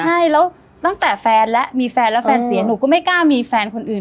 ใช่แล้วตั้งแต่แฟนและมีแฟนแล้วแฟนเสียหนูก็ไม่กล้ามีแฟนคนอื่น